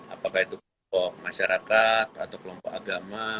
apakah itu kelompok masyarakat atau kelompok agama